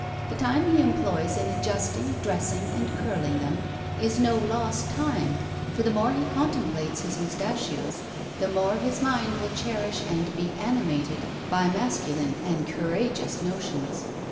The time he employs in adjusting, dressing, and curling them, is no lost time; for the more he contemplates his mustachios, the more his mind will cherish and be animated by masculine and courageous notions."